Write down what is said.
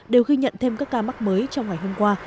đều ghi nhận thêm các ca mắc mới trong ngày hôm qua